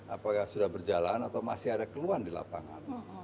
apakah sudah berjalan atau masih ada keluhan di lapangan